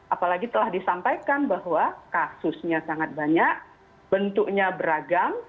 apalagi telah disampaikan bahwa kasusnya sangat banyak bentuknya beragam